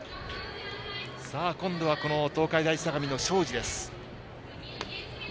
今度は東海大相模の庄司です。